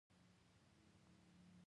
سر لوړه ده.